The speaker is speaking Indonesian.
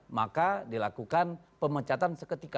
maka dilakukan pemecatan seketika